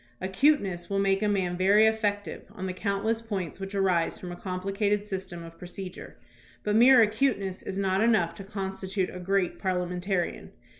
Acuteness will make a man very effective on the countless points which arise from a complicated system of procedure, but mere acuteness is not enough to constitute a great parliamentarian.